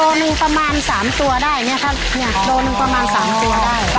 โลนึงประมาณ๓ตัวได้ระถายได้ประมาณ๖๐๗๐ตัว